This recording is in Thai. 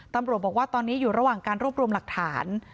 ตำรวจบอกว่าตอนนี้อยู่ระหว่างการรวบรวมหลักฐาน